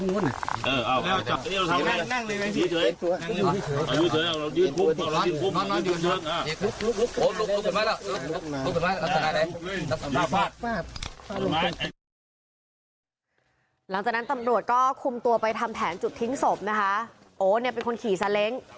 หลังจากนั้นตำรวจก็คุมตัวไปทำแผนจุดทิ้งศพนะคะโอเนี่ยเป็นคนขี่ซาเล้ง